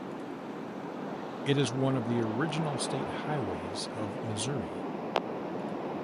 It is one of the original state highways of Missouri.